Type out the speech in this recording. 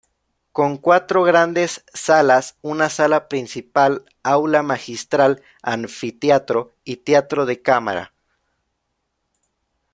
Con cuatro grandes salas: una Sala Principal, Aula Magistral, Anfiteatro y Teatro de Cámara.